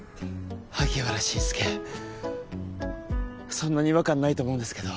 そんなに違和感ないと思うんですけど。